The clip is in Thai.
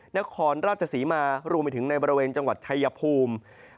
นครราชศรีมารวมไปถึงในบริเวณจังหวัดชายภูมิ